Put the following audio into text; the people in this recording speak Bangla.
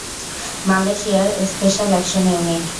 মালয়েশিয়ার স্পেশাল অ্যাকশন ইউনিট।